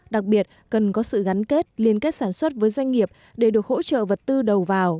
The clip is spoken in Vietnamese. đặc biệt cần có sự gắn kết liên kết sản xuất với doanh nghiệp để được hỗ trợ vật tư đầu vào